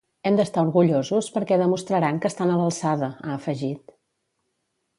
Hem d'estar orgullosos perquè demostraran que estan a l'alçada, ha afegit.